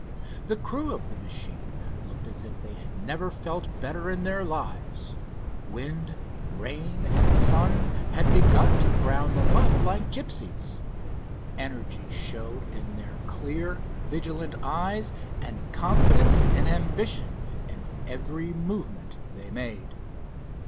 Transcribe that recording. The crew of the machine looked as if they had never felt better in their lives. Wind, rain and sun had begun to brown them up like gipsies. Energy showed in their clear, vigilant eyes, and confidence and ambition in every movement they made.